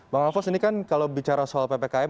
bang alvos ini kan kalau bicara soal ppkm